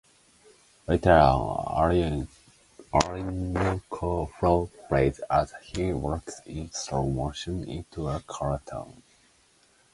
Later on, "Orinoco Flow" plays as he walks, in slow-motion, into a courtroom.